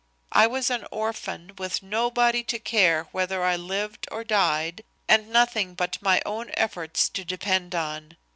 I was an orphan, with nobody to care whether I lived or died, and nothing but my own efforts to depend on.